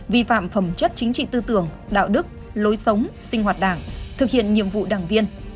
vi phạm phẩm chất chính trị tư tưởng đạo đức lối sống sinh hoạt đảng thực hiện nhiệm vụ đảng viên